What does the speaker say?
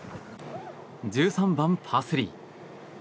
１３番、パー３。